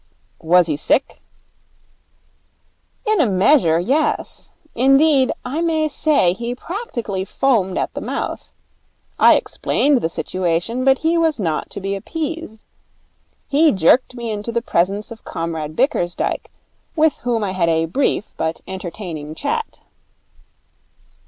'Was he sick?' 'In a measure, yes. Indeed, I may say he practically foamed at the mouth. I explained the situation, but he was not to be appeased. He jerked me into the presence of Comrade Bickersdyke, with whom I had a brief but entertaining chat.